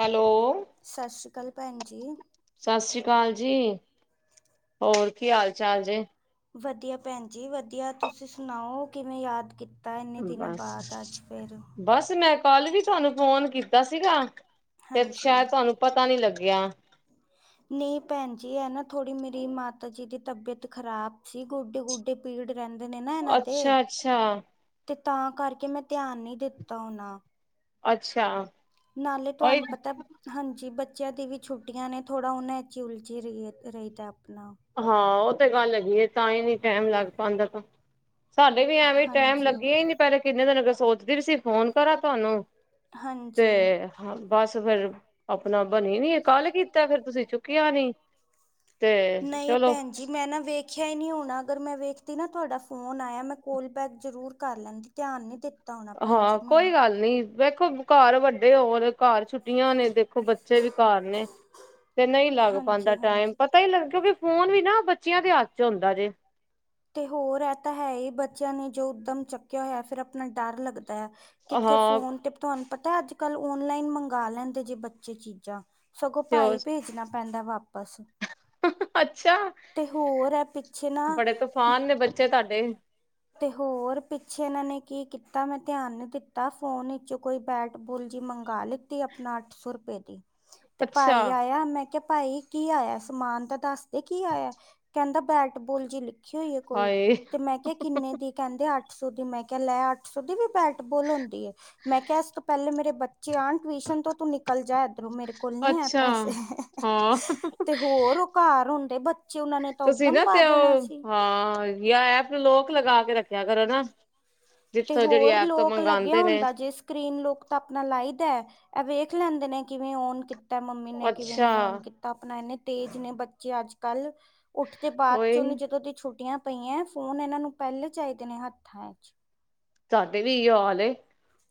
Hello ਸਾਸ ਸ਼੍ਰੀ ਕਾਲ ਪੈਨ ਜੀ। ਸਾਸ ਸ਼੍ਰੀ ਕਾਲ ਜੀ, ਹੋਰ ਕੀ ਹਾਲ-ਚਾਲ ਜੇ। ਵਧੀਆ ਪੈਨ‌ ਜੀ ਵਧੀਆ ਤੁਸੀਂ ਸੁਣਾਓ ਕਿਵੇਂ ਯਾਦ ਕਿਤ ਬਸ, ਬਸ ਮੈਂ ਕੱਲ ਵੀ ਤੁਆਨੂੰ ਫੋਨ ਕੀਤਾ ਸੀਗਾ। ਫੇਰ ਹਾਂਜੀ ਸ਼ਾਇਦ ਤੁਆਨੂੰ ਪਤਾ ਨੀ ਲੱਗਿਆ। ਨੀ ਪੈਨ ਜੀ ਐ ਨਾ ਥੋੜ੍ਹੀ ਮੇਰੀ ਮਾਤਾ ਜੀ ਦੀ ਤਬੀਅਤ ਖ਼ਰਾਬ ਸੀ ਗੋਡੇ-ਗੁਡੇ ਪੀੜ ਰੇਂਦੇ ਨੇ ਨਾ ਏਨਾਂ ਦੇ ਅੱਛਾ, ਅੱਛਾ, ਤੇ ਤਾਂ ਕਰਕੇ ਮੈਂ ਧਿਆਨ ਨੀ ਦਿੱਤਾ ਹੋਨਾ। ਅੱਛਾ। ਨਾਲੇ ਉਹੀ ਤੁਆਨੂੰ ਪਤਾ ਹਾਂਜੀ ਬੱਚਿਆਂ ਦੀ ਵੀ ਛੁੱਟੀਆਂ ਨੇ ਥੋੜਾ ਓਨਹਾ ਚ ਈ ਉਲਝੀ ਰਹੀਏ ਰਹੀ ਦਾ ਆਪਣਾ। ਹਾਂ ਓ ਤੇ ਗੱਲ ਹੈਗੀ ਐ ਤਾਂ ਈ ਨੀ ਟੈਮ ਲੱਗ ਪਾਂਦਾ ਤਾਂ। ਸਾਡੇ ਵੀ ਐਵੇਂ ਟੈਮ ਹਾਂਜੀ ਲੱਗੇਆ ਈ ਨੀ ਪੈਲੇ ਕਿੰਨੇ ਦਿਨ ਹੋਗੇ ਸੋਚਦੀ ਵੀ ਸੀ ਫੋਨ ਕਰਾਂ ਤੁਆਨੂੰ। ਹਾਂਜੀ ਤੇ ਹਾਂ ਬਾਸ ਫੇਰ ਆਪਣਾ ਬਣੀ ਨੀ ਕੱਲ ਕੀਤਾ ਫੇਰ ਤੁਸੀਂ ਚੁੱਕਿਆ ਨੀ ਤੇ। ਚਲੋ ਪੈਨ ਜੀ। ਮੈਂ ਨਾ ਵੇਖਿਆ ਈ ਨਈ ਹੋਣਾ ਅਗਰ ਮੈਂ ਵੇਖਦੀ ਨਾ ਤੁਆਡਾ ਫੋਨ ਆਯਾ‌ ਮੈਂ ਕੋਲ ਬੈਕ ਜ਼ਰੂਰ ਕਰ ਲੈਂਦੀ। ਧਿਆਨ ਨੀ ਦਿੱਤਾ ਹੋਣਾ ਭੈਣ ਹਾਂ ਜੀ ਮੈਂ ਕੋਈ ਗੱਲ ਨੀ ਵੇਖੋ ਘਰ ਵੱਡੇ ਹੋਰ ਘਰ ਛੁੱਟੀਆਂ ਨੇ ਦੇ ਦੇਖੋ ਬੱਚੇ ਵੀ ਘਰ ਨੇ ਤੇ ਨਈ ਲੱਗ ਹਾਂਜੀ ਪਾਂਦਾ ਟਾਈਮ ਹਾਂਜੀ ਪ ਪੈ ਈ ਲਰ ਕਿਉਂਕਿ ਫੋਨ ਵੀ ਨਾ ਬੱਚਿਆਂ ਦੇ‌‌ ਹੱਥ ਚ ਹੁੰਦਾ ਜੇ ਤੇ ਹੋਰ ਏ ਤਾਂ ਹੈ ਈ ਬੱਚਿਆਂ ਨੇ ਜੋ ਉੱਦਮ ਚੱਕਿਆ ਹੋਯਾ ਫੇਰ ਆਪਣਾ ਡਰ ਲੱਗਦਾ ਏ। ਕਿੱਥੇ ਹਾਂ ਫੋਨ ਤੇ ਤੁਆਨੂੰ ਪਤਾ ਅੱਜ-ਕੱਲ ਓਨਲਾਈਨ ਮੰਗਾ ਲੈਂਦੇ ਜੇ ਬੱਚੇ ਚੀਜ਼ਾਂ। ਸਗੋਂ ਤੇ ਉਹ ਪਾਈ ਪੇਜਣਾ ਪੈਂਦਾ ਵਾਪਸ। ਅੱਛਾ। ਤੇ ਹੋਰ ਏ ਪਿੱਛੇ ਨਾ ਤਫਾਨ ਨੇ ਬੱਚੇ ਤੁਆਡੇ। ਤੇ ਹੋਰ ਪਿੱਛੇ ਏਨਾਂ ਨੇ ਕੀ ਕੀਤਾ ਮੈਂ ਧਿਆਨ ਨੀ ਦਿੱਤਾ ਫੋਨ ਇਚੋ ਕੋਈ ਬੈਟ ਬੁਲ ਜੀ ਮੰਗ ਲੀ ਤੀ ਆਪਣਾ ਅੱਠ ਸੌ ਰੁਪਏ ਦੀ ਹ। ਤੇ ਭਾਈ ਆਇਆ ਮੈਂ ਕਿਹਾ ਭਾਈ ਕੀ ਆਇਆ ਸਮਾਨ ਤਾਂ ਦੱਸਦੇ ਕੀ ਆਇਆ, ਕਹਿੰਦਾ ਬੈਟ। ਬੋਲ ਜੀ ਲਿਖੀ ਹੋਈ ਹੈ ਕੋਈ, ਹਾਏ ਤੇ ਮੈਂ ਕਿਹਾ ਕਿੰਨੇ ਕਹਿੰਦੇ ਅੱਠ ਸੌ ਦੀ ਮੈਂ ਕਿਹਾ ਲੈ ਅੱਠ ਸੌ ਦੀ ਵੀ ਬੈਟਬੋਲ ਹੁੰਦੀ ਏ। ਮੈਂ ਕਿਹਾ ਇਸ ਤੋਂ ਪਹਿਲੇ ਮੇਰੇ ਬੱਚੇ ਆਨ ਟਿਊਸ਼ਨ ਤੋਂ ਤੂੰ ਨਿਕ- ਕਲ ਜਾ ਇਧਰੋਂ ਮੇਰੇ ਕੋਲ ਨੀ ਹੈ ਅੱਛਾ ਪੈਸੇ ਹਾਂ ਤੇ ਹੋਰ ਉਹ ਘਰ ਹੁੰਦੇ ਬ- ਤੁਸੀਂ ਨਾ ਤੇਓ ਹਾਂ ਯ ਐਪ ਨੂੰ ਲੋਕ ਲਗਾ ਕੇ ਰੱਖਿਆ ਕਰੋ ਨਾ। ਤੇ ਜਿੱਥੋਂ ਜਿਹੜੀ ਹੋਰ ਐਪ ਤੋਂ ਲੋਕ ਲੱਗਿਆ ਮੰਗਵਾਉਂਦੇ ਨੇ ਹੁੰਦਾ ਜਿਸ। ਸਕਰੀਨ ਲੋਕ ਤਾਂ ਆਪਣਾ ਲਾਈ ਦਾ ਹੈ, ਇਹ ਵੇਖ ਲੈਂਦੇ ਨੇ ਕਿਵੇਂ ਓਨ- ਕਿਤਾ ਮੰਮੀ ਨੇ ਕਿਵੇਂ ਅੱਛਾ ਨੀ ਔਨ ਕੀਤਾ ਆਪਣਾ ਇੰਨੇ ਤੇਜ਼ ਨੇ ਬੱਚੇ ਅੱਜ ਕੱਲ। ਉੱਠਦੇ ਬਾਅਦ ਚ ਉਹੀ ਉਹਨੇ ਜਦੋਂ ਦੀ ਛੁੱਟੀਆਂ ਪਈਆਂ ਫੋਨ ਇਹਨਾਂ ਨੂੰ ਪਹਿਲੇ ਚਾਹੀਦੇ ਨੇ ਹੱਥਾਂ ਚ। ਸਾਡੇ ਵੀ ਇਹੀਓ ਹਾਲ ਏ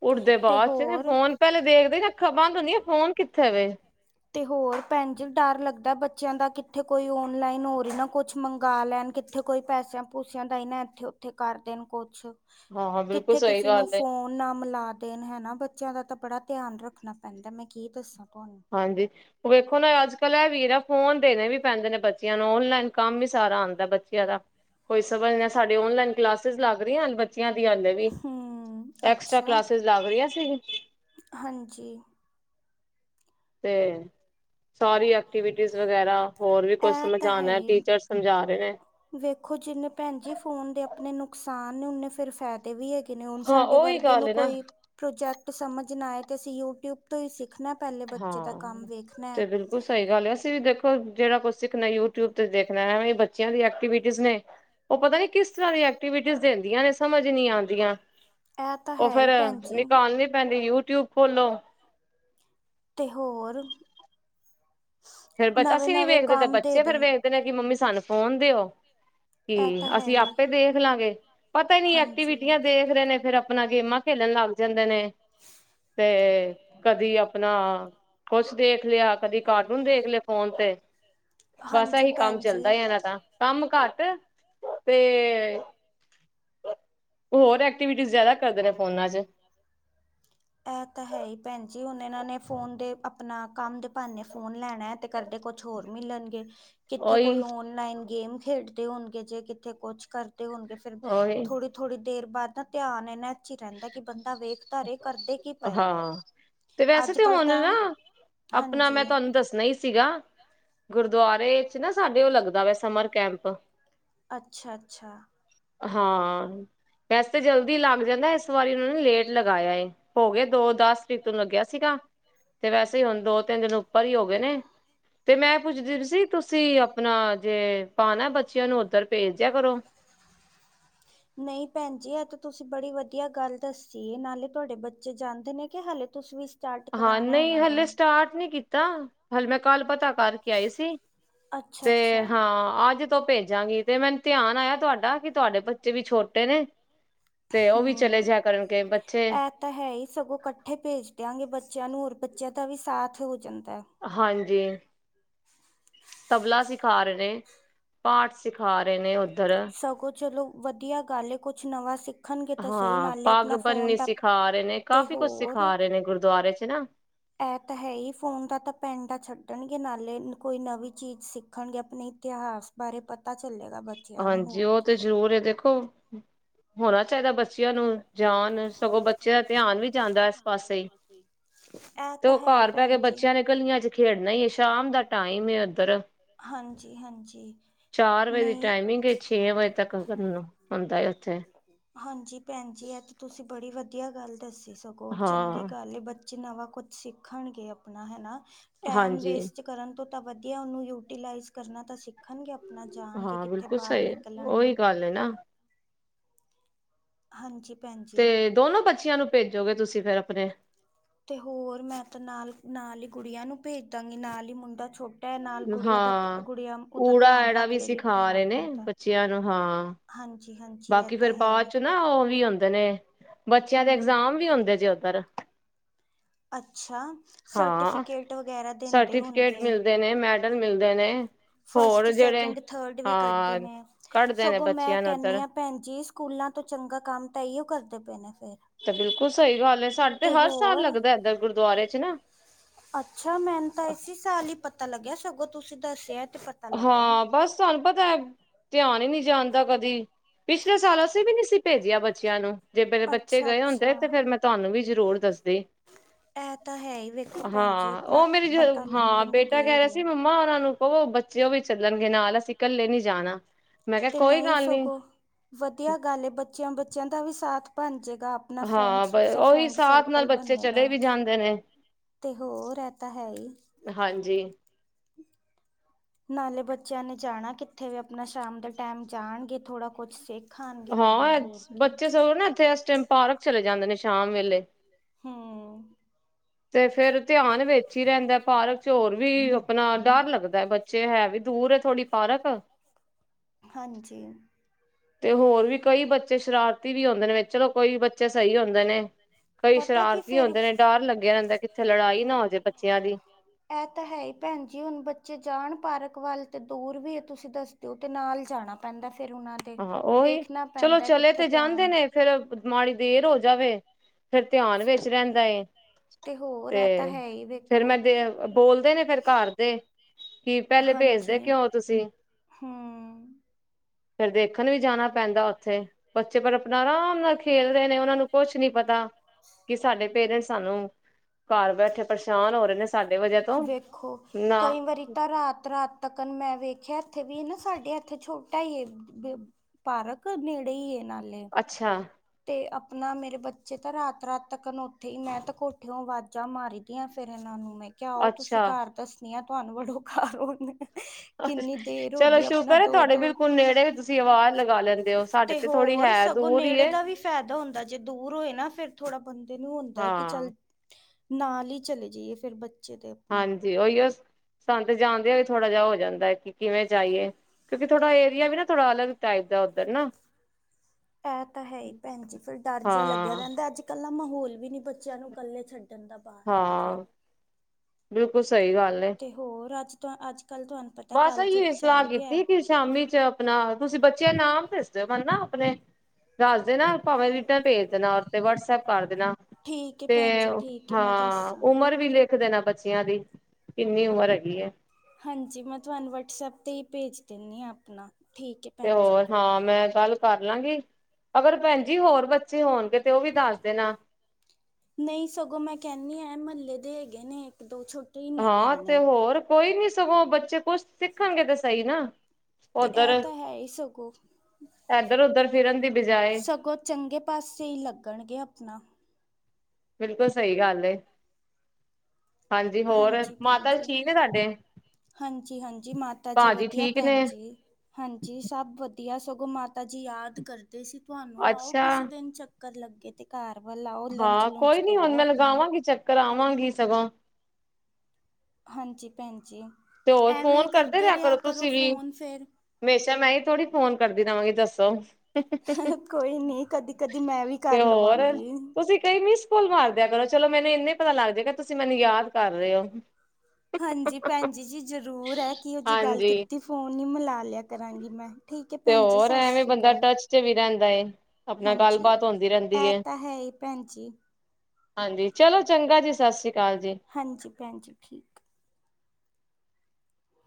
ਉੱਠਦੇ ਤੇ ਬਾਅਦ ਚ ਨੇ ਹੋਰ ਫੋਨ ਪਹਿਲੇ ਦੇਖਦੇ ਹੀ ਅੱਖਾਂ ਬੰਦ ਹੁੰਦੀਆਂ ਫੋਨ ਕਿੱਥੇ ਵੇ। ਤੇ ਹੋਰ ਪੈਂਜੀ ਡਰ ਲੱਗਦਾ ਬੱਚਿਆਂ ਦਾ ਕਿੱਥੇ ਕੋਈ ਓਨਲਾਈਨ ਹੋਰ ਹੀ ਨਾ ਕੁਛ ਮੰਗਾ ਲੈਣ ਕਿ ਇੱਥੇ ਕੋਈ ਪੈਸਿਆਂ- ਪੂਸਿਆਂ ਦਾ ਹੀ ਨਾ ਇੱਥੇ- ਉੱਥੇ ਕਰਦੇ ਨ ਕੁਛ। ਹਾਂ ਹਾਂ ਬਿਲਕੁਲ ਕਿੱਥੇ ਸਹੀ ਕਿਸੇ ਨੂੰ ਗੱਲ ਏ ਫੋਨ ਨਾ ਮਿਲਾ ਦੈਨ ਹੈ ਨਾ ਬੱਚਿਆਂ ਦਾ ਤਾਂ ਬੜਾ ਧਿਆਨ ਰੱਖਣਾ ਪੈਂਦਾ ਮੈਂ ਕੀ ਦੱਸਾਂ ਤੁਹਾਨੂੰ। ਹਾਂਜੀ ਵੇਖੋ ਨਾ ਅੱਜ ਕੱਲ ਇਹ ਵੀ ਹੈਗਾ ਫੋਨ ਦੇ ਨੇ ਵੀ ਪੈਂਦੇ ਨੇ ਬੱਚਿਆਂ ਨੂੰ ਔਨਲਾਈਨ ਕੰਮ ਹੀ ਸਾਰਾ ਆਂਦਾ ਬੱਚਿਆਂ ਦਾ। ਕੋਈ ਸਭਝ ਨਾ ਸਾਡੇ ਔਨਲਾਈਨ ਕਲਾਸਿਸ ਲੱਗ ਰਹੀਆਂ ਹਨ ਬ ਬੱਚਿਆ ਦੀਆਂ ਆਲੇ ਵੀ ਹੂੰ ਐਕਸਟਰਾ ਅੱਛਾ ਕਲਾਸਿਸ ਲੱਗ ਰਹੀਆਂ ਸੀ। ਹਾਂਜੀ। ਤੇ ਸਾਰੀ ਐਕਟੀਵਿਟੀ ਵਗੈਰਾ ਹੋਰ ਵੀ ਕੁਛ ਇਹ ਤਾਂ ਹੈ ਸਮਝਾਣਾ ਹੀ ਟੀਚਰਸ ਸਮਝਾ ਰਹੇ ਨੇ। ਵੇਖੋ ਜਿੰਨੇ ਭੈਣ ਜੀ ਫੋਨ ਦੇ ਆਪਣੇ ਨੁਕਸਾਨ ਨੇ ਓਨੇ ਫੇਰ ਫਾਇ ਵੀ ਹੈਗੇ ਨੇ ਹੁਣ ਹਾਂ ਸਾਡੇ ਉਹੀ ਵਰਗੇ ਗੱਲ ਨੂੰ ਏ ਨਾ ਕੋਈ ਪ੍ਰੋਜੈਕਟ ਸਮਝ ਨਾ ਆਏ ਤੇ ਅਸੀਂ ਯੂਟਿਊਬ ਤੋਂ ਹੀ ਸਿੱਖਣਾ ਪਲੇ ਬੱਚੇ ਦਾ ਕੰਮ ਹਾਂ ਵੇਖਣਾ ਹੈ। ਤੇ ਬਿਲਕੁਲ ਸਹੀ ਗੱਲ ਐ ਅਸੀਂ ਵੀ ਦੇਖੋ ਜਿਹੜਾ ਕੁਛ ਸਿੱਖਣਾ ਯੂਟਿਊਬ ਤੇ ਦੇਖਣਾ ਐਵੇਂ ਹੀ ਬੱਚਿਆਂ ਦੀ ਐਕਟੀਵਿਟੀਸ ਨੇ। ਉ ਪਤਾ ਨੀ ਕਿਸ ਤਰਾਂ ਦੀ ਐਕਟੀਵਿਟੀਸ ਦਿੰਦੀਆਂ ਨੇ ਸਮਝ ਹੈ ਨਹੀਂ ਆਉਂਦੀਆਂ। ਇਹ ਤਾਂ ਉ ਹੈ ਫੇਰ ਹੀ ਭੈਣ ਜੀ ਨਿਕਾਲਨੀ ਪੈਂਦੀ ਯੂਟਿਊਬ ਖੋਲੋ। ਤੇ ਹੋਰ, ਨਵੇਂ- ਨਵੇਂ ਕੰਮ ਦੇ ਦੇਣ ਕੈਨੇ ਕਿ ਮੰਮੀ ਸਾਨੂੰ ਫੋਨ ਦਿਓ। ਕੀ ਇਹ ਤਾਂ ਹੈ ਅਸੀਂ ਹੀ ਆਪੇ ਦੇਖ ਲਾਂਗੇ ਪਤਾ ਹੀ ਨਹੀਂ ਹਾਂਜੀ ਐਕਟੀਵਿਟੀਆਂ ਦੇਖ ਰਹੇ ਨੇ ਫੇਰ ਆਪਣਾ ਗੇਮਾਂ ਖੇਲਣ ਲੱਗ ਜਾਂਦੇ ਨੇ। ਤੇ ਕਦੀ ਆਪਣਾ ਕੁਛ ਦੇਖ ਲਿਆ, ਕਦੀ ਕਾਟ ਦੇਖ ਲੇ ਫੋਨ ਤੇ ਬਸ ਹਾਂਜੀ ਅਹੀ ਕੰਮ ਭੈਣ ਚੱਲਦਾ ਜੀ ਇਹਨਾ ਦਾ ਕੰਮ ਘੱਟ ਤੇ ਹੋਰ ਐਕਟੀਵਿਟੀਸ ਜ਼ਿਆਦਾ ਕਰਦੇ ਨੇ ਫੋਨਾਂ ਚ। ਇਹ ਤਾਂ ਹੈ ਹੀ ਭੈਣ ਜੀ ਹੁਣ ਇਹਨਾਂ ਨੇ ਫੋਨ ਦੇ ਆਪਣਾ ਕੰਮ ਦੇ ਬਾਨੇ ਫੋਨ ਲੈਣਾ। ਤੇ ਕਰਦੇ ਕੁਛ ਹੋਰ ਮਿਲਣਗੇ। ਕਿੱਥੇ ਉਹੀ ਕੋਈ ਔਨਲਾਈਨ ਗੇਮ ਖੇਡਦੇ ਹੋਣਗੇ ਜੇ ਕਿੱਥੇ ਕੁਛ ਕਰਦੇ ਹੋਣਗੇ ਫੇਰ ਉਹੀ ਥੋੜੀ ਥੋੜੀ ਦੇਰ ਬਾਅਦ ਨਾ ਧਿਆਨ ਇੰਨਾ ਇ ਚ ਰਹਿੰਦਾ ਕਿ ਬੰਦਾ ਵੇਖਦਾ ਰੇ ਕਰਦੇ ਕੀ ਪਏ ਨੇ। ਹਾਂ ਤੇ ਵੈਸੇ ਅੱਜ ਤਾਂ ਕੱਲ ਹੁਣ ਆਪਣਾ ਮੈਂ ਹਾਂਜੀ ਤੁਹਾਨੂੰ ਦੱਸਣਾ ਹੀ ਸੀਗਾ। ਗੁਰਦੁਆਰੇ ਚ ਨਾ ਸਾਡੇ ਉ ਲੱਗਦਾ ਵਾ ਸਮਰ ਕੈਂਪ। ਅੱਛਾ-ਅੱਛਾ। ਹਾਂ ਵੈਸ ਤਾਂ ਜਲਦੀ ਲੱਗ ਜਾਂਦਾ ਐਸ- ਵਾਰੀ ਨੂੰ ਉਹਨਾਂ ਨੇ ਲੇਟ ਲਗਾਇਆ ਏ, ਹੋ ਗਿਆ ਦੋ ਦਸ ਤਰੀਕ ਤੋਂ ਲੱਗਿਆ ਸੀਗਾ। ਤੇ ਵੈਸੇ ਹੀ ਹੁਣ ਦੋ -ਤਿੰਨ ਦਿਨ ਉੱਪਰ ਹੀ ਹੋ ਗਏ ਨੇ। ਤੇ ਮੈਂ ਪੁੱਛਦੀ ਪੀ ਸੀ, ਤੁਸੀਂ ਆਪਣਾ ਜੇ ਪਾਣਾ ਬੱਚਿਆਂ ਨੂੰ ਉੱਧਰ ਭੇਜ ਦਿਆ ਕਰੋ? [inaudible] ਨਈ ਭੈਣ ਜੀ, ਏਹ ਤਾਂ ਤੁਸੀਂ ਬੜੀ ਵਧੀਆ ਗੱਲ ਦੱਸੀ ਐ, ਨਾਲੇ ਤੁਹਾਡੇ ਬੱਚੇ ਜਾਂਦੇ ਨੇ ਕੀ ਹਾਲੇ ਤੁਸੀ ਵੀ ਸਟਾਰਟ ਹਾਂ ਕਰਾਣਾ ਨਹੀਂ ਉਹਨਾਂ ਹਲੇ ਦਾ ਸਟਾਰਟ ਨੀ ਕੀਤਾ। ਹਲੇ ਮੈਂ ਕੱਲ੍ਹ ਪਤਾ ਕਰਕੇ ਆਈ ਸੀ। ਅੱਛਾ ਤੇ ਅੱਛਾ ਹਾਂ ਅੱਜ ਤੋਂ ਭੇਜਾਂਗੀ ਤੇ ਮੈਨੂੰ ਧਿਆਨ ਆਇਆ ਤੁਆਡਾ ਕਿ ਤੁਆਡੇ ਬੱਚੇ ਵੀ ਛੋਟੇ ਨੇ ਤੇ ਉਹ ਵੀ ਚਲੇ ਹੂੰ ਜਾ ਕਰਨ ਗੇ ਬੱਚੇ ਇਹ ਤਾਂ ਹੈ ਹੀ ਸਗੋਂ ਇਕੱਠੇ ਭੇਜ ਦਿਆਂਗੇ ਬੱਚਿਆਂ ਨੂੰ ਔਰ ਬੱਚਿਆਂ ਦਾ ਵੀ ਸਾਥ ਹੋ ਜਾਂਦਾ। ਹਾਂਜੀ। ਤਬਲਾ ਸਿਖਾ ਰਹੇ ਨੇ, ਪਾਠ ਸਿਖਾ ਰਹੇ ਨੇ ਸਗੋਂ ਚਲੋ ਵਧੀਆ ਗੱਲ ਕੁਛ ਨਵਾਂ ਸਿੱਖ ਹਾਂ ਪੱਗ ਬੰਨੀ ਸਿਖਾ ਰਹੇ ਨੇ, ਤੇ ਕਾਫ਼ੀ ਕੁਛ ਹੋਰ ਸਿਖਾ ਰਹੇ ਨੇ ਗੁਰਦੁਆਰੇ ਚ ਨਾ। ਐਹ ਤਾਂ ਹੈ ਹੀ ਫੋਨ ਦਾ ਤਾਂ ਪੈਡਾ ਛੱਡਣਗੇ ਨਾਲੇ ਕੋਈ ਨਵੀਂ ਚੀਜ਼ ਸਿੱਖਣਗੇ ਆਪਣੇ ਇਤਿਹਾਸ ਬਾਰੇ ਪਤਾ ਚੱਲਿਆ। ਹਾਂਜੀ ਉਹ ਤੇ ਜ਼ਰੂਰ ਦੇਖੋ, ਹੋਣਾ ਚਾਈਦਾ ਬੱਚਿਆਂ ਨੂੰ ਜਾਣ ਸਗੋਂ ਬੱਚੇ ਦਾ ਧਿਆਨ ਵੀ ਜਾਂਦਾ ਇਸ ਪਾਸੇ। ਇਹ ਤੇ ਤਾਂ ਉਹ ਹੈ ਹੀ ਘਰ ਪੈ ਕੇ ਭੈਣ ਜੀ ਬੱਚਿਆਂ ਨੇ ਗਲੀਆਂ ਚ ਖੇਡਣਾ ਈ ਏ, ਸ਼ਾਮ ਦਾ ਟਾਈਮ ਇੱਧਰ। ਹਾਂਜੀ ਹਾਂਜੀ, ਵਜੇ ਦੀ ਨਈ ਟਾਈਮਿੰਗ ਛੇ ਵਜੇ ਤੱਕ ਕਰਨਾ ਹੁੰਦਾ ਉੱਥੇ। ਹਾਂਜੀ ਭੈਣ ਜੀ ਏਹ ਤਾਂ ਤੁਸੀਂ ਬੜੀ ਵਧੀਆ ਗੱਲ ਦੱਸੀ ਸਗੋ, ਚੰਗੀ ਹਾਂ ਗੱਲ ਬੱਚ ਬੱਚੇ ਨਵਾਂ ਕੁੱਛ ਸਿੱਖਣਗੇ ਆਪਣਾ ਹਨਾ। ਟਾਈਮ ਹਾਂਜੀ ਵੇਸਟ ਕਰਨ ਤੋਂ ਪਹਿਲਾ ਅਧਿਆਨ ਨੂੰ ਯੂਟੀਲਾਈਜ਼ ਕਰਨਾ ਤਾਂ ਸਿੱਖ ਰਖਣਗੇ ਆਪਣਾ ਜਾਣ ਗੇ ਹਾਂ ਕਿੱਥੇ ਬਿਲਕੁਲ ਬਾਹਰ ਸਹੀ ਉਹੀ ਨਿਕਲਣਗੇ। ਗੱਲ ਹੈ ਨਾ ਹਾਂਜੀ ਭੈਣ ਜੀ ਤੇ ਦੋਨੋ ਬੱਚੀਆਂ ਨੂੰ ਭੇਜੋਗੇ ਤੁਸੀਂ ਫਿਰ ਆਪਣੇ ਤੇ ਹੋਰ ਮੈਂ ਤਾਂ ਨਾਲ- ਨਾਲ ਈ ਗੁੜੀਆਂ ਨੂੰ ਭੇਜ ਦਾਂਗੀ ਨਾਲ ਈ ਮੁੰਡਾ ਛੋਟ -ਟਾ ਨਾਲ ਗੁੜੀਆਂ ਦਾ ਹਾਂ ਗੁੜੀਆਂ ਉਂਦਾ ਊੜਾ ਧਿਆਨ ਐੜਾ ਰੱਖ ਵੀ ਲਏਗੀ ਭਰਾ ਸਿਖਾ ਰਹੇ ਨੇ ਆਪਣੇ ਦਾ। ਬੱਚਿਆਂ ਨੂੰ ਹਾਂ, ਹਾਂਜੀ ਹਾਂਜੀ ਇਹ ਬਾਕੀ ਤਾਂ ਫੇਰ ਹੈ ਪਾਚ ਨਾ ਉਹ ਵੀ ਆਂਦੇ ਨੇ ਬੱਚਿਆਂ ਦੇ ਹਮ ਇੰਗਜ਼ਾਮ ਵੀ ਹੁੰਦੇ ਜੇ ਉੱਧਰ ਅੱਛਾ। ਹਾਂ ਸਰਟੀਫਿਕੇਟ ਵਗੈਰਾ ਦਿੰਦੇ ਹੋਣਗੇ। ਮਿਲਦਾ ਨੇ ਫਸਟ, ਹੋਰ ਜਿਹੜੇ ਸੈਕਿੰਡ, ਥਰਡ ਵੀ ਕੱਢਦੇ ਹਾਂ ਨੇ, ਕੱਢਦੇ ਨੇ ਸਗੋਂ ਮੈਂ ਬੱਚਿਆਂ ਨੂੰ ਕੈਨੀ ਉੱਧਰ ਆ ਭੈਣ ਜੀ ਸਕੂਲਾਂ ਤੋਂ ਚੰਗਾ ਕੰਮ ਤਾਂ ਏਈਓ ਕਰਦੇ ਪਏ ਨੇ ਫੇਰ। ਤੇ ਬਿਲਕੁਲ ਸਹੀ ਗੱਲ ਏ, ਸਾਡੇ ਹਰ ਸਾਲ ਲੱਗਦਾ ਇੱਧਰ ਗੁਰਦੁਆਰੇ ਚ ਨਾ। ਅੱਛਾ ਮੈਨੂੰ ਤਾਂ ਇਸ ਸਾਲ ਹੀ ਪਤਾ ਲੱਗਿਆ ਸਗੋਂ ਤੁਸੀਂ ਦੱਸਿਆ ਤੇ ਪਤ ਹਾਂ ਬਸ ਤੁਹਾਨੂੰ ਪਤਾ ਐ ਧਿਆਨ ਈ ਨੀ ਜਾਣਦਾ ਕਦੀ, ਪਿਛਲੇ ਸਾਲ ਅਸੀਂ ਵੀ ਨੀ ਸੀ ਭੇਜਿਆ ਬੱਚਿਆਂ ਨੂੰ। ਜੇ ਮੇਰੇ ਬੱਚੇ ਅੱਛਾ ਗਏ ਹੁੰਦੇ ਅੱਛਾ ਤੇ ਫੇਰ ਮੈਂ ਤਾਨੂੰ ਵੀ ਜ਼ਰੂਰ ਦੱਸਦੀ। ਇਹ ਤਾਂ ਹੈ ਹੀ ਵੇਖੋ ਭੈਣ ਜੀ ਹਾਂ ਉਹ ਆਪਣਾ ਮੇਰੀ ਜੋ, ਪਤਾ ਹਾਂ ਲੱਗਣ ਦੀ ਬੇਟਾ ਕਹਿ ਦੇਰ ਰਿਹਾ ਹੈ ਸੀ ਮੰਮਾ ਉਨਾਂ ਨੂੰ ਓ ਬੱਚਿਆ ਵੀ ਚੱਲਣਗੇ ਨਾਲ, ਅਸੀਂ ਇਕੱਲੇ ਨੀ ਜਾਣਾ ਮੈਂ ਕੇਆ ਤੇ ਕੋਈ ਨਹੀਂ ਗੱਲ ਨੀ। ਸਗੋਂ ਵਧੀਆ ਗੱਲ ਏ ਬੱਚਿਆਂ -ਬੱਚਿਆਂ ਦਾ ਵੀ ਸਾਥ ਬਣ ਜੇਗਾ। ਨਾਲ ਹਾਂ ਬ ਫਰੈਂਡਸ- ਸ ਉਹੀ ਫਰੈਂਡ ਸਾਥ ਨਾਲ ਸਰਕਲ ਬੱਚੇ ਬੰਨੇਗਾ। ਚਲੇ ਵੀ ਜਾਂਦੇ ਨੇ। ਤੇ ਹੋਰ ਏਹ ਤਾਂ ਹੈ ਈ। ਹਾਂਜੀ। ਨਾਲੇ ਬੱਚਿਆਂ ਨੇ ਜਾਣਾ ਕਿੱਥੇ ਵੀ ਆਪਣਾ ਸ਼ਾਮ ਦੇ ਟਾਈਮ ਜਾਨਗੇ ਥੋੜ੍ਹਾ ਕੁਛ ਸਿੱਖ ਆਣਗੇ ਨਵਾਂ ਹਾਂ, ਹੋਰ ਕੀ ਬੱਚੇ ਸਗੋਂ ਨਾ ਇੱਥੇ ਐਸ ਟਾਈਮ ਪਾਰਕ ਚਲੇ ਜਾਂਦੇ ਨੇ ਸ਼ਾਮ ਵੇਲੇ। ਹਮ। ਤੇ ਫੇਰ ਧਿਆਨ ਵਿੱਚ ਈ ਰੇਦਾਂ ਪਾਰਕ ਹੋਰ ਵੀ ਆਪਨਾ ਡਰ ਲੱਗਦਾ ਬੱਚੇ ਹੈ ਵੀ ਦੂਰ ਏ ਥੋੜੀ ਪਾਰਕ ਹਾਂਜੀ। ਤੇ ਹੋਰ ਵੀ ਕਈ ਬੱਚੇ ਸ਼ਰਾਰਤੀ ਵੀ ਹੁੰਦੇ ਨੇ ਵਿੱਚ ਚਲੋ ਕੋਈ ਬੱਚੇ ਸਈ ਹੁੰਦੇ ਨੇ। ਕਈ ਪਤਾ ਕੀ ਸ਼ਰਾਰਤੀ ਫਿਰ ਹੁੰਦੇ ਨੇ ਡਰ ਲੱਗਿਆ ਰੇਦਾਂ ਕਿੱਥੇ ਲੜਾਈ ਨਾ ਹੋ ਜੇ ਬੱਚਿਆਂ ਦੀ। ਐ ਤਾਂ ਹੈ ਈ ਭੈਨ ਜੀ, ਹੁਣ ਬੱਚੇ ਜਾਨ ਪਾਰਕ ਵੱਲ ਤੇ ਦੂਰ ਵੀ ਏ ਤੁਸੀਂ ਦੱਸ ਤੇ ਉਤੇ ਨਾਲ ਜਾਣਾ ਪੈਂਦਾ ਫੇਰ ਉਨਾਂ ਤੇ ਹਾਂ ਉਹੀ ਵੇਖਨਾ ਚਲੋ ਪੈਂਦਾ ਚਲੇ ਕਿੱਥੇ ਤੇ ਜਾਂਦੇ ਧਿਆਨ ਨੇ ਫੇਰ ਮਾੜੀ ਦੇਰ ਹੋ ਜਾਵੇ ਫੇਰ ਧਿਆਨ ਵਿੱਚ ਰੇਦਾਂ ਏ। ਹੋਰ ਤੇ ਇਹ ਤਾਂ ਹੈ ਹੀ ਫੇਰ ਵੇਖੋ ਮੈਂ ਦੇ ਬੋਲਦੇ ਨੇ ਫੇਰ ਘਰ ਦੇ। ਕੀ ਪੈਲੇ ਭੇਜਦੇ ਕਿਉਂ ਔ ਤੁਸੀਂ। ਹਮ। ਫੇਰ ਦੇਖਣ ਵੀ ਜਾਨਾ ਪੈਂਦਾ ਉੱਥੇ ਬੱਚੇ ਪਰ ਆਪਨਾ ਰਾਮ ਨਾਲ ਖੇਲ ਰੇਨੇ ਉਨਾਂ ਨੂੰ ਕੁਛ ਨੀ ਪਤਾ ਕਿ ਸਾਡੇ ਪੇਰੈਂਟਸ ਸਾਨੂੰ ਘਾਰ ਬੈਠੇ ਪਰੇਸ਼ਾਨ ਹੋ ਰੇ ਨੇ ਸਾਡੇ ਵਜੇ ਤੋਂ ਵੇਖੋ ਨਾ ਕਈ ਵਾਰੀ ਤਾਂ ਰਾਤ-ਰਾਤ ਤੱਕਨ ਮੈਂ ਵੇਖਿਆ ਇੱਥੇ ਵੀ ਨਾ ਸਾਡੇ ਇੱਥੇ ਛੋਟਾ ਈਏ ਪਾਰਕ ਨੇੜੇ ਈ ਏ ਨਾਲੇ। ਅੱਛਾ। ਤੇ ਆਪਨਾ ਮੇਰੇ ਬੱਚੇ ਤਾਂ ਰਾਤ-ਰਾਤ ਤੱਕਨ ਉੱਥੇ ਈ ਮੈਂ ਤਾਂ ਕੋਠਿਓ ਅਵਾਜ਼ਾਂ ਮਾਰੀ ਫੇਰ ਇਨਾਂ ਨੂੰ ਮੈਂ ਕਿਆ, ਆਓ ਤੁਸੀਂ ਅੱਛਾ ਘਰ ਦੱਸਨੀ ਆ ਤਾਨੂੰ ਵੜੋ ਘਰ ਹੁਨ। ਕਿੰਨੀ ਦੇਰ ਚਲੋ ਹੋਗੀ ਆਪਨਾ ਸ਼ੁਕਰ ਹੈ ਦੋ- ਤੁਹਾਡੇ ਦੋ ਬਿਲਕੁਲ ਨੇੜੇ ਵੇ ਤੁਸੀਂ ਆਵਾ ਤੇ ਹੋਰ, ਸਗੋਂ ਦੂਰ ਹੀ ਨੇੜੇ ਏ ਦਾ ਵੀ ਫੇਦਾ ਹੁੰਦਾ, ਜੇ ਦੂਰ ਹੋਏ ਨਾ ਫੇਰ ਥੋੜਾ ਬੰਦੇ ਨੂੰ ਹੁੰਦਾ ਏ ਕਿ ਹਾਂ ਚੱਲ ਨਾਲ ਈ ਚਲੇ ਜਾਈਏ ਫੇਰ ਬੱਚੇ ਦੇ ਆਪਨੇ। ਤੇ ਉਈਓ, ਸਾਨੂੰ ਤੇ ਜਾਨਦੇ ਹੋਏ ਥੋੜ੍ਹਾ ਜਿਆ ਹੋ ਜਾਂਦਾ ਕਿ ਕਿਵੇਂ ਜਾਈਏ। ਕਿਉਂਕਿ ਥੋਡਾ ਏਰੀਆ ਵੀ ਨਾ ਥੋੜਾ ਅਲਗ ਟਾਇਪ ਦਾ ਓਧੱਰ ਨਾ। ਐ ਤਾਂ ਹੈ, ਈ ਭੈਨ ਜੀ ਫਿਰ ਡਰ ਜਿਆ ਲੱਗਿਆ ਹਾਂ ਰੈਦਾਂ ਅੱਜ ਕੱਲਾ ਮਾਹੌਲ ਵੀ ਨੀ ਬੱਚਿਆਂ ਨੂੰ ਕੱਲੇ ਛੱਡਣ ਦਾ। ਬਾਹਰ ਕਿੱਥੇ ਹਾਂ, ਬਿਲਕੁਲ ਸਈ ਗੱਲ ਏ। ਤੇ ਹੋਰ ਅੱਜ ਤੁ ਅੱਜ ਕੱਲ੍ਹ ਤੁਆਂਨ ਬਸ ਏਈਓ ਸਲਾਹ ਕੀਤੀ ਏ ਕਿ ਸ਼ਾਮੀ 'ਚ ਆਪਨਾ ਤੁਸੀਂ ਬੱਚਿਆਂ ਦੇ ਨਾਮ ਭੇਜ ਦਿਓ ਨਾ ਆਪਨੇ। ਦੱਸ ਦੇਨਾ ਭਾਵੇਂ ਰੀਟਨ ਭੇਜ ਦੇਨਾ ਉਤੇ ਵਟਸਐਪ ਕਰ ਦੇਨਾ। ਠੀਕ ਹੈ ਤੇ, ਭੈਣ ਜੀ ਠੀਕ ਹੈ ਮੈਂ ਦੱਸਾਂਗੀ ਹਾਂ-ਉਮਰ ਵੀ ਲੇ ਲਿਖ ਦੇਨਾ ਬੱਚਿਆਂ ਦੀ ਕਿੰਨੀ ਉਮਰ ਹੈਗੀ ਏ। ਹਾਂਜੀ, ਮੈਂ ਤੁਆਨੂੰ ਵਟਸਐਪ ਤੇ ਈ ਭੇਜ ਦੇਨੀ ਆ ਆਪਨਾ। ਤੇ, ਹੋਰ, ਹਾਂ ਮੈਂ ਕੱਲ ਕਰ ਲਾਂਗੀ, ਅਗਰ ਭੈਨਜੀ ਹੋਰ ਬੱਚੇ ਹੋਨਗੇ ਤੇ ਔ ਵੀ ਦੱਸ ਦੇਨਾ। ਨਈ ਸਗੋਂ ਮੈਂ ਕੈਨੀ ਆ ਐ ਮੱਲੇ ਦੇ ਹੈਗੇ ਨੇ ਇੱਕ ਦੋ ਛੋ ਹਾਂ, ਤੇ ਹੋਰ ਕੋਈ ਨੀ, ਸਗੋਂ ਬੱਚੇ ਕੁਛ ਸਿੱਖਣਗੇ ਤੇ ਸਈ ਨਾ। ਤੇ ਓਧਰ ਐ ਤਾਂ ਹੈ ਈ ਏਧਰ ਉਧਰ ਫਿਰਨ ਦੀ ਬਜਾਏ ਸਗੋਂ-ਸਗੋਂ ਚੰਗੇ ਪਾਸੇ ਈ ਲੱਗਣਗੇ ਆਪਨਾ। ਬਿਲਕੁਲ ਸਈ ਗੱਲ ਏ, ਹਾਂਜੀ ਹੋਰ ਮਾਤਾ ਜੀ ਠੀਕ ਨੇ ਤੁਆਡੇ। ਹਾਂਜੀ-ਹਾਂਜੀ ਮਾਤਾ ਜੀ ਵਦੀਆ ਨੇ ਭੈਨ ਜੀ। ਹਾਂਜੀ ਸਭ ਵਦੀਆ ਸਗੋਂ ਮਾਤਾ ਜੀ ਯਾਦ ਕਰਦੇ ਸੀ ਤੁਆਨੂੰ ਆਓ ਅੱਛਾ ਕਿਸੇ ਦਿਨ ਚੱਕ ਚੱਕਰ ਲੱਗੇ ਤੇ ਘਰ ਵੱਲ ਆਓ ਲੰਚ ਲੁੰਚ ਤੇ ਆਓ ਆਪਨਾ। ਕੱਲ ਆਵਾਂਗੀ ਸਗੋਂ। ਹਾਂਜੀ ਭੈਨ ਜੀ, ਤੇ ਹੋਰ ਐਵੇਂ ਈ ਫੋਨ ਕਰਦੇ ਰਿਹਾ ਰਿਆ ਕਰੋ ਤੁਸੀਂ ਵੀ ਫ਼ੋਨ ਫੇਰ। ਹਮੇਸ਼ਾ ਮੈਂ ਈ ਥੋੜੀ ਫੋਨ ਕਰਦੀ ਰਵਾਂਗੀ ਦੱਸੋ। ਕੋਈ ਨੀ ਕਦੀ-ਕਦੀ ਮੈਂ ਵੀ ਤੇ ਕਰ ਹੋਰ ਲਵਾਂਗੀ। ਤੁਸੀਂ ਕਈ ਮਿਸ ਕੋਲ ਮਾਰਦਿਆਂ ਕਰੋ, ਚਲੋ ਮੈਨੂੰ ਇੰਨੇ ਪਤਾ ਲੱਗਜੇਗਾ ਕੇ ਤੁਸੀਂ ਮੈਨੂੰ ਯਾਦ ਕਰ ਰਏ ਓਂ। ਹਾਂਜੀ ਭੈਨ ਜੀ-ਜੀ ਜ਼ਰੂਰ ਐ ਕਿਓ ਜੀ ਗੱਲ ਹਾਂਜੀ ਕੀਤੀ ਫੋਨ ਈ ਮਿਲਾ ਲਿਆ ਕਰਾਂਗੀ ਮੈਂ। ਠੀਕ ਐ ਤੇ ਭੈਨ ਜੀ ਹੋਰ ਸਸ ਐਵੇਂ ਰੀ ਬੰਦਾ ਕਾਲ, ਟੱਚ ਚ ਵੀ ਰਹਿੰਦਾ ਏ। ਆਪਣਾ ਹਾਂਜੀ ਗੱਲਬਾਤ ਹੁੰਦੀ ਰਹਿੰਦੀ ਐ ਏ, ਤਾਂ ਹੈ ਈ ਭੈਨ ਜੀ। ਹਾਂਜੀ, ਚਲੋ ਚੰਗਾ ਜੀ ਸਸ ਰੀ ਕਾਲ ਜੀ। ਹਾਂਜੀ ਭੈਨ ਜੀ ਠੀਕ।